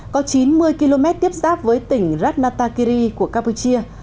có chín mươi km tiếp xác với tỉnh ranatakiri của campuchia